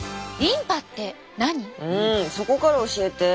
うんそこから教えて。